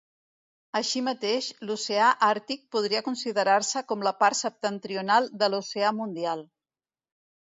Així mateix, l'oceà Àrtic podria considerar-se com la part septentrional de l'oceà Mundial.